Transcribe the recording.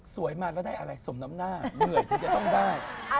มาแล้วได้อะไรสมน้ำหน้าเหนื่อยถึงจะต้องได้